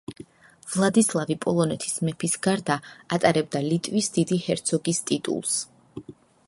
ვლადისლავი პოლონეთის მეფის გარდა ატარებდა ლიტვის დიდი ჰერცოგის ტიტულს.